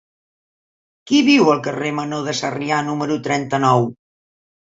Qui viu al carrer Menor de Sarrià número trenta-nou?